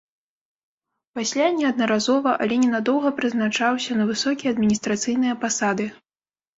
Пасля неаднаразова, але ненадоўга прызначаўся на высокія адміністрацыйныя пасады.